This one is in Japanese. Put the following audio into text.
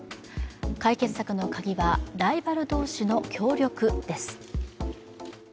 解決策のカギは、ライバル同士の協力です。